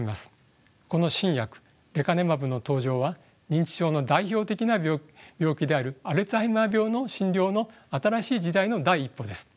この新薬レカネマブの登場は認知症の代表的な病気であるアルツハイマー病の診療の新しい時代の第一歩です。